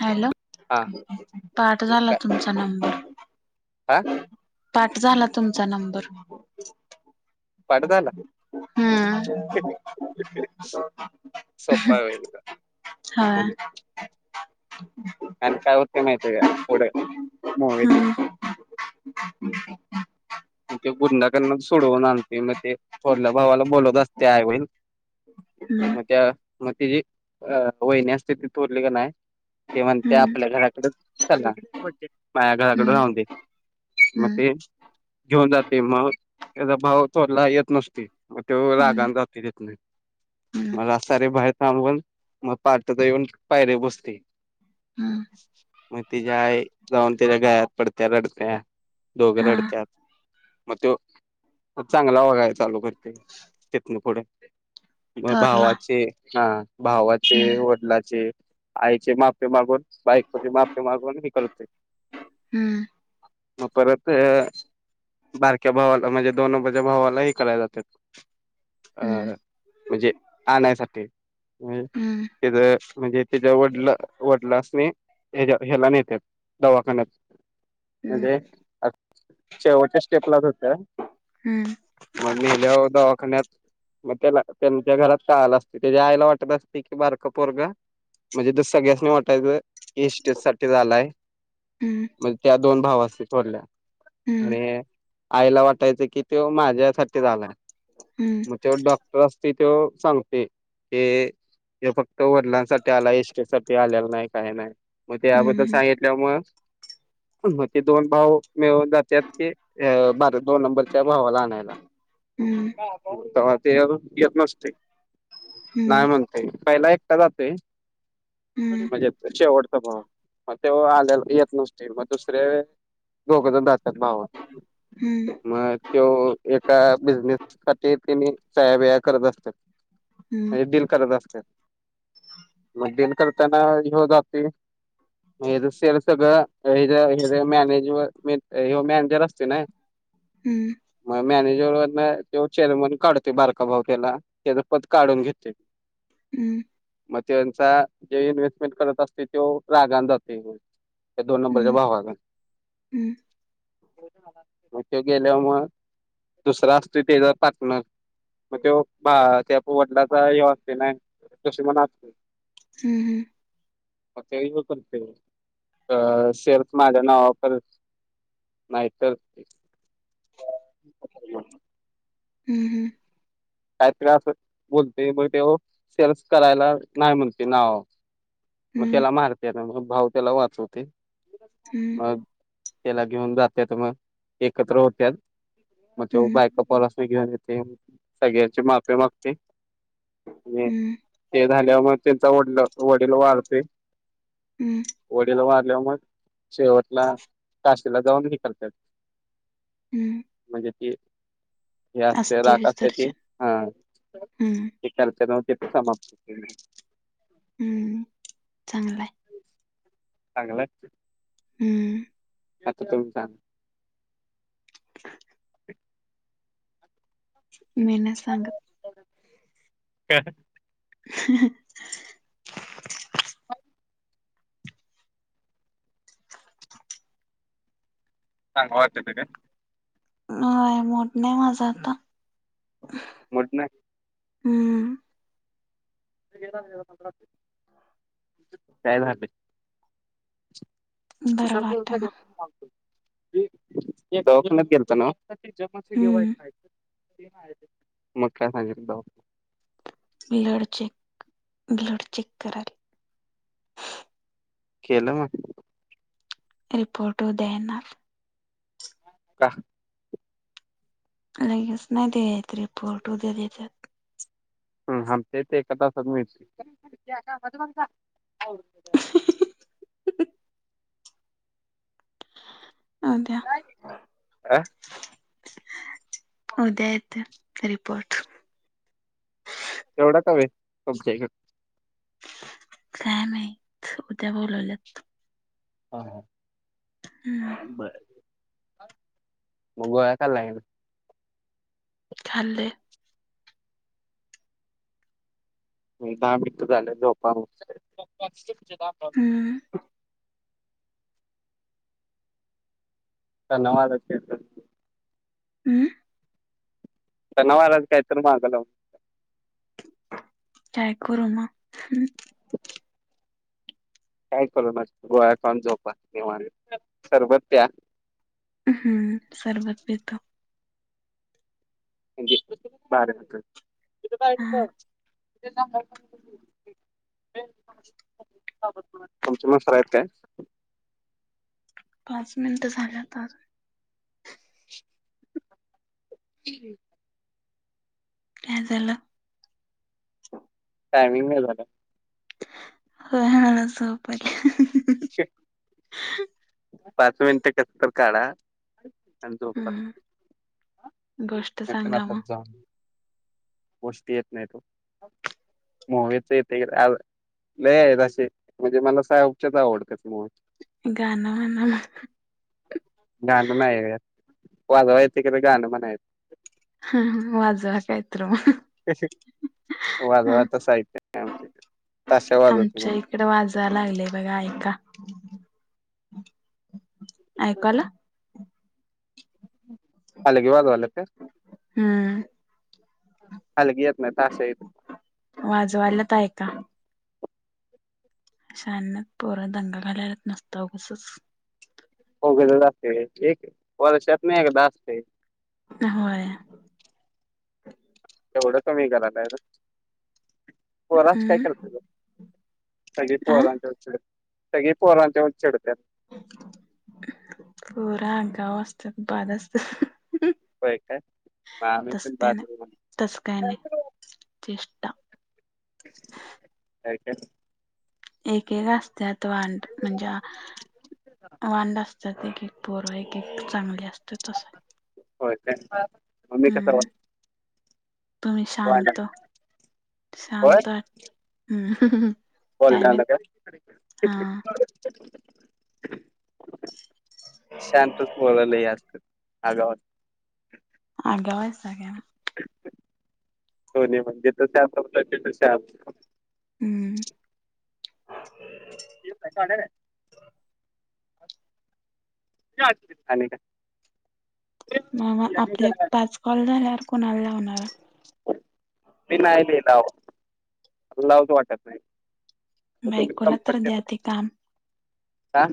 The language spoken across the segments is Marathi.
हॅलो!.. हा पाठ मग झाला काय तुमचा नंबर. हा पाठ झाला तुमचा नंबर पाठ झाला हुम् हृ.. सोपा आहे एकदम म्हणून हा आणि काय होतं माहिती आहे का? पुढं मूवीच [unintelligible] मग ते गुंडा करण सोडवून आणते मग ते थोरल्या भावाला बोलत असते आई-वडील. ह्म्म्म त्या मग तिची अ.. वहिनी असते ती थोरली का नाय ते म्हणते हम्म आपल्या घराकडे चला, माझ्या घराकडे हम्म राहून दे. मग हम्म ते घेऊन जातो मग त्याचा भाव थोरला येत नसतोय, मग त्यो हम्म हम्म रागान जातोय तित्नं. हम्म मला सारे बाहेर थांबून, मग पाहटचं येऊन पायरीवर बसते. हम्म मग तिझी आई जाऊन त्याच्या गळ्यात पडतिया रडतिया दोघ हा रडतात. मग त्यो.. मग चांगला वागाय चालू करतोय तित्नं पुढ. म.. थोरला भावाचे हा भावाचे, हम्म वडिलाचे आईची माफी मागून, बायकोची माफी मागून.. हे करतोय. हम्म मग परत बारक्या भावाला माझ्या दोन नंबरच्या भावाला हे कराय जातेत. अ.. हम्म म्हणजे आणायसाठी म हम्म तिथं म्हणजे तिजा वडला- वडलास नी ह्याला.. ह्याला नेत्यात दवाखान्यात. हम् म्हणजे शेवटच्या स्टेपला जात्यात, हम्म मग मेल्यावर दवाखान्यात मग त्याला त्या.. घरात कळालेलं असते त्याच्या आईला वाटत असते की बारक पोरग म्हणजे तो सगळ्यासनी मोठा आहे ईस्ट सत्य झालं. हम्म मग त्या दोन भावास्नी थोरल्या हम्म आणि आईला वाटायचं कि त्यो माझ्यासाठीच आलाय. हम्म त्यो डॉक्टर असतेय त्यो सांगतोय.. ते त्यो फक्त वडिलांसाठी आलाय इस्टेटसाठी आलेला नाही, काही नाय. मग ते हम्म अगोदर सांगितल्यामुळं ते दोन भाव मिळून जात त्यात ते अ.. भारत- दोन नंबरच्या भावाला आणायला. हम्म तवा ते अजून येत नसतोय, नाय मन- पहिला एकटा जातय. हम्म म्हणजे शेवटचा भाव, मग ते आलेला येत नसतोय मग दुसरे दोघजण जातेत भाव, हम्म हम्म मग तो एका बिझनेस साठी त्यांनी सह्या -बीया करत असतेत, म्हणजे डिल करत असतेत. मग डिल करताना ह्यो जाताय. मग ह्याजं शेअर सगळं, हेजा.. हेजा.. मॅनेजवर मेन ह्यो मॅनेजर असतु नाय हम्म मग मॅनेजर व ते चेअरमन काढते बारका भाव केला. त्यजं पद काढून घेतोय. हम्म. मग त्यांचा जे इन्व्हेस्टमेंट असते रागान जातो. [unintelligible] दोन नंबरच्या भावाचं. हम्म. मग ते गेल्याव मग दुसरा असतो त्याचा पार्टनर. मग तो त्या वडिलांचा ह्यो असतोय नाही कशी पण असते. हम्म हम् अ ते येव करते अ शेअर्स ज ना ऑफर. [unintelligible] नाय तर. हम् हम्. काय तर बोलतोय असं तो म्हणून शेअर नावावर करायला नाही बोलतो तो. [unintelligible] म त्याला मारत्यात भाव त्याला वाचवतंय म मग त्याला घेऊन जात्यात एकत्र होत त्यात मग तो हम्म बायका पोरस. घेऊन येतोय सगळ्यांची माफी मागतोय आणि हम्म ते झाल्या मग त्यांचा वडील वडील वारते. हम्. वडील वारल्यावर शेवटला म काशीला जाऊन ये करतात. हम. म्ह त हे असते राख असते ती अस्थिविसर्जन हा. हम्म ते त्यालच नवते समाप्त हो. हंम चांगलं हाय. चांगलं. हम्म. आता तुम्ही सांगा? मी नाय सांगत. ह. [unintelligible] [unintelligible] सांग वाटप आहे. [unintelligible] हा मूड नाय माझा आता. मूड नाय. हम्. कादा ह. बरं वाटना. [unintelligible] दवाखान्यात गेलातानवं. हम्म मग काय सांगितलं दवाखान्यात? ब्लड चेक ब्लड चेक कराय केलं म रिपोर्ट उद्या येणार. का? लगेच नाही देेत रे रिपोर्ट ते. आमच्या इथं एका तासात मिळतं. [unintelligible] अ उद्या येतील रिपोर्ट. एवढा का वेळ तुमच्या इकडे. काय माहित उद्या बोलवलंय. ह ह. हम्. बरं. म गोळ्या खाल्ल्या की नाय. खाल्ले. म दहा मिनिट झाल्यावर झोपा औषध घेऊन. हम्म. धन्यवाद. [unintelligible] उं सणावाराचं काय तर माग लावलं. काय करू म् शशं. [unintelligible] काय करू मग गोळ्या खाऊन झोपा निवांत सरबत त्या हा सरबत पितो. म्हणजे [inaudible] हा [unintelligible] तुमचे मास्टर आहेत काय. पाच मिनिट झाले आत्ताच. तीघे. काय झालं. टाइमिंग नाय झालं. होय हा झोप आल्या. की. पाच मिनिटं कसं तर काढा. अण झोपा हम्म गोष्ट नंतर मग सांगा आपण जाऊ. गोष्टी येत नाही हो मूवीज येतंय एव लैज्ञ येत असेल म्हणजे मला साउथच्या च आवडतात मूवी. गाणं म्हणाला. गाणं नाही ग वाजवायचं तिकडं गाणं म्हणायचं. हा हा हा वाजवा काय तर मग. तशी वाजवायचे साहित्य नाही आमच्याकडे ताशा वाजवतो आमच्या फक्त. इकडं वाजायला लागले बघा ऐका ऐकू आलं. हलगी वाजवालेत काय. हा. हलगी येत नाही ताशा येतोय. वाजवालेत ऐका. कशी अंगणात पोर दंगा करायलेत नसतो उगाचच. कोकिला लागतंय एक वर्षातून एकदा असते. अ होय. एवढ कमी करायलाखच र पोरांचं काय हम्म करतोस. सगळी आ पोरांचा चे सगळी पोरांवरच चढत्यात. पोरं आगाव असत्यात बाद असतात हुम हुम. वय काय मग आम्ही पण बाद होना तसं काय नाय तर. चेष्टा काय काय? एक एक असत्यात वांड म्हणजे हा. ओओओ एकेक पूरा एक एक चांगली असते. व्हय काय... मग मी कसा हम्म रा तुम्ही शांत.... होय शांत ह्.. हु.. हु.. हु बोलण्याला काय.. हु.. हु शांतच पोर लय असतेत, आगाऊ असतेत. आगाव सगळ्याला दोन्हीपण जिथं त्या [unintelligible] तिथं त्या [unintelligible] हुम् येऊ का ताडे? ह [unintelligible] काट आणि काय? नाय.. नाय.. आपले पाच कॉल झाल्यावर कोणाला लावणारा. ते नाय देणार. तुला लावतो वाटत नाहीत. बायकोला तर द्या ते काम का?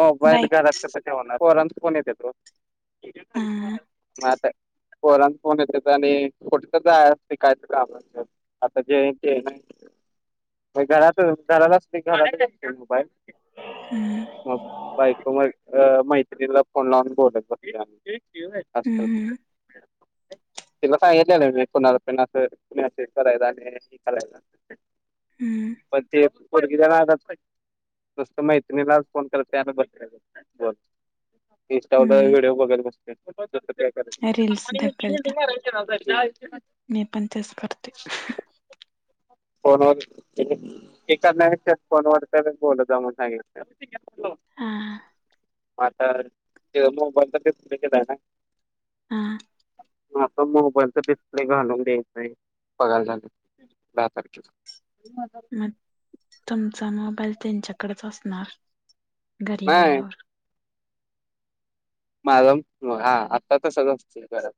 मोबाईल बाईक घरात कसं ठेवणार पोरांचं फोन येतेत ओ ह हम्म म.. आता पोरांच फोन येतेत आणि कुठ तर जायच असते कय तर काम असत्यात. आता जे है, ते है ना. घरात.. घरात असतय घरात मोबाईल हम्म मग बायको माझी अ.. मैत्रीनीला फोन लावून बोलत बसतीया. असतात. हम्म तिला सांगितलेलं मी काेणाला पण अस.. मेसेज करायलाआणि हे -ते करायला. हं [unintelligible] हम्म पण ते.. पोरगी जरा आता कस्टमाईज तुम्ही मला फोन करत्या नंबर वर.. बोल, इंस्टा वर हम्म व्हिडिओ बघत बस कसं काय करायचं? रील्स ढकलत्या [inaudible] मी पण तेच करते. ह्.. ह्.. फोनवर.. ईचारणारा च्या फोनवर तर बोलत जा म्हणून सांगितलंय. हा.. हा.. मग आता... त्यो मोबाईल चा डिस्पले गेलायना? हा हा तो मोबाईलचा डिस्प्ले घालून द्यायचांय, पगार झाल्यावर... दहा तारखेला. म्हणून मग, तूमचा मोबाईल त्यांच्याकडच असणार घरी नाही गेल्यावर माझ.. हा.. आता तर सुरळीत झालंय.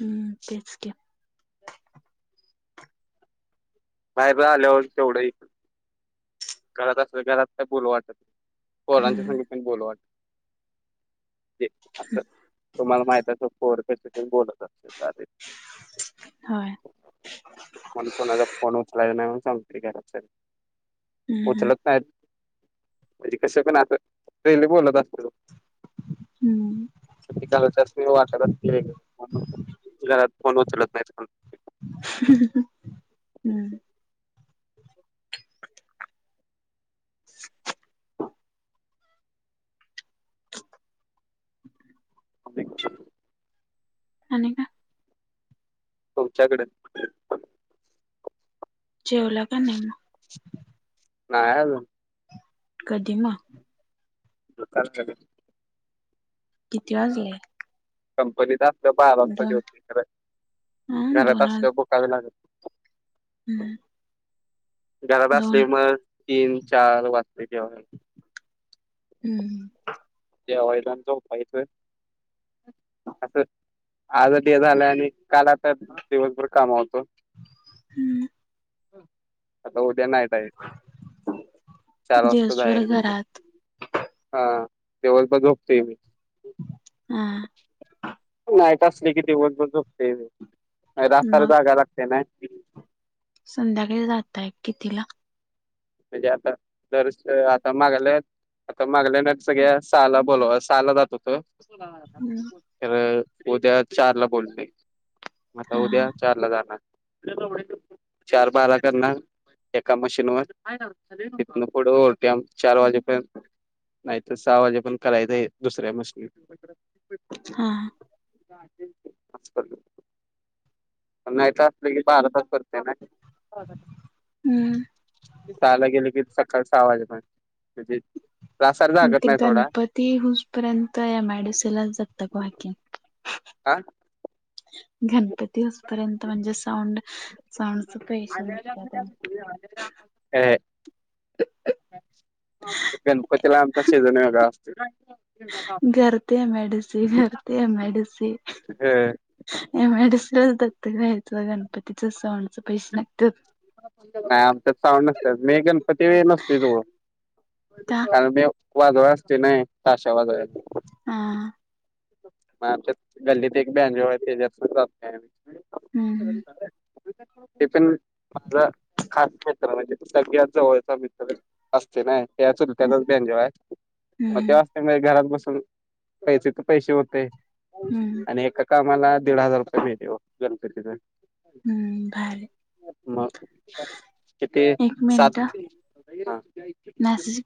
हम्म.. तेच की बाहेरन आल्यावर तेवढंही, घरात असलं.. घरात काय बोलु वाटत नाही. हम्म पोरांच्यासंग पण बोलू वाटत नाही. ते, असं.. तुम्हाला माहित पोर कसं पण बोलत असतात आधी. होय म्हणून कोणाचा फोन उचलायचा नाही म्हणु सांगतोय घरातल्याना. हम्म उचलत नाहीत... म्हणजे कस पण अस लय लय बोलत असतो. हम्म हम्म ती घरात असते वाटत असते म्हणून घरात फोन उचलत नाहीत कोण [unintelligible] हम्म [inaudible] [unintelligible] [unintelligible] आणि काय? तुमच्याकड. जेवला का नाही मग? नाय अजून. कधी म? काल. किती वाजले? कंपनीत असल्यावर बारा वाजता दोन जेवतो खर ह घरात दोन वाज असल्यावर भुकाबी लागत नाही. [inaudible] घरात असले दोन मग तीन चार वाचते जेवायला. हम्म. जेवायला आणि झोपायचं असंच. आज ते झालं आणि काल आता दिवसभर कामाव होतो. हम्म [inaudible] आता उद्या नाईट हाय चार वाजताच दिवसभर जायचं उद्या. घरात हा दिवसभर झोपतोय मी. हा. नाईट असली की दिवसभर झोपतोय मी रास्ताला मग जागा लागते नाही. संध्याकाळी जाताय कितीला? म्हणजे आता तर आता मागाला. आता मागल्या ना सगळ्या सहाला बोल सहाला जात होत. हम्म. तर उद्या चारला बोलतोय, म आता हा उद्या चार ला जाणार. चार बारा करनार एका मशीन वर. इथनं पुढे ओव्हरटाईम चार वाजेपर्यंत. नाहीतर सहा वाजेपर्यंत करायचं दुसऱ्या मशीनने. हा. [inaudible] नाईट असले की बारा तास करतोय ना. हम्म सहाला गेलो की सकाळ सहा वाजेपर्यंत म्हणजे. त्रासाला जागत ते नाही थोडा गणपती हुसपर्यंत या एमआयडिसीलाच दत्तक व्हा की. आ? गणपती होसपर्यंत म्हणजे साऊंड साऊंडच पैसे निघतात. साउंड. अ गणपतीला आमचा सिजन वेगळा असतो. [inaudible] घर ते एमआयडीसी घर ते एमआयडीसी. ह. मॅडस दत घयचं गणपतीच सवणच पैसे नत. नाही आच्यात साऊंड नसत मी गणपती नसते जोडं का कारण मी. वाजवाय असतो नाय, ताशा वाजवायचा. आ हा म आमच्या गल्लीत एक बॅन तेच्या हम्म पे माझा खास मित्र म्हणजे, सगळ्यात जवळचा मित्र असते, ना त्याच त्याचाच बँजो आहे मग ते हम्म घरात बसून पैसे तर पैसे होते हम्म हम्म आणि ए कामाला दीड हजार रुपये मिळेल गणपतीत. हम्म भारी. मग एक मिनिट किती हा. सात, नाशिक हा